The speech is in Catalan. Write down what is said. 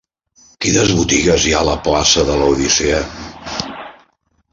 Quines botigues hi ha a la plaça de l'Odissea?